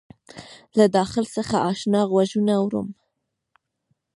له داخل څخه آشنا غــږونه اورم